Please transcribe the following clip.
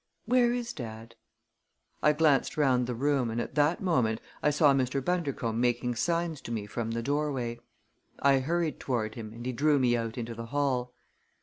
Where is dad?" I glanced round the room and at that moment I saw Mr. Bundercombe making signs to me from the doorway. I hurried toward him and he drew me out into the hall.